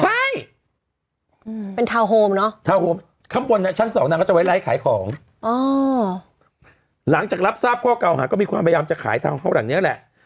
ใช่เป็นทาวน์โฮมเนอะทาวน์โฮมข้างบนชั้นสองนางก็จะไว้ไลฟ์ขายของอ๋อหลังจากรับทราบข้อเก่าหาก็มีความพยายามจะขายทางฝรั่งนี้แหละ